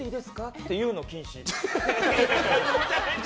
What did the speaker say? って言うの禁止。